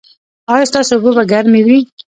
ایا ستاسو اوبه به ګرمې وي؟